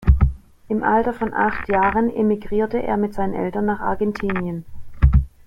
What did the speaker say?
Im Alter von acht Jahren emigrierte er mit seinen Eltern nach Argentinien.